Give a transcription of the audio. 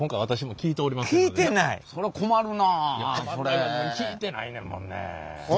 聞いてないねんもんねえ。